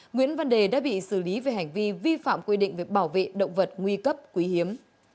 nguyễn văn đề đã bị xử lý về hành vi vi phạm quy định về bảo vệ động vật nguy cấp quý hiếm